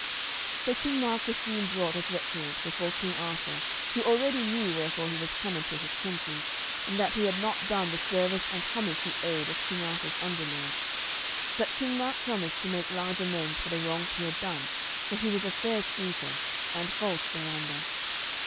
So King Mark was soon brought as recreant before King Arthur, who already knew wherefore he was come into his country, and that he had not done the service and homage he owed as King Arthur's under lord. But King Mark promised to make large amends for the wrongs he had done, for he was a fair speaker, and false thereunder.